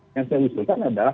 yang saya usulkan adalah